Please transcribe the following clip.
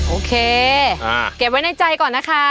โอเคเก็บไว้ในใจก่อนนะคะ